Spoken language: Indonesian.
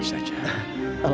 insya allah mar ui